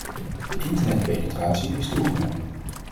De internetpenetratie is toegenomen.